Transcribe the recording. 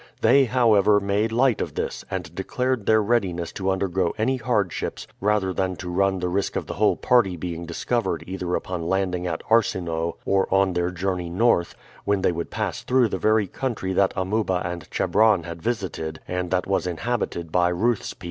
They, however, made light of this, and declared their readiness to undergo any hardships rather than to run the risk of the whole party being discovered either upon landing at Arsinoe or on their journey north, when they would pass through the very country that Amuba and Chebron had visited and that was inhabited by Ruth's people.